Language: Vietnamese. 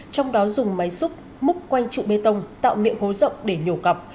trong đó dùng máy xúc múc quanh trụ bê tông tạo miệng hố rộng để nhổ cọc